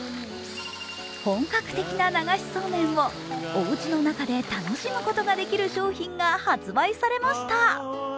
本格的な流しそうめんをおうちの中で楽しむことができる商品が発売されました。